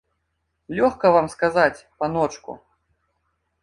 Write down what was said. Лёгка вам сказаць, паночку.